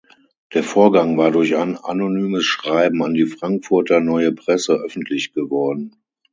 Der Vorgang war durch ein anonymes Schreiben an die Frankfurter Neue Presse öffentlich geworden.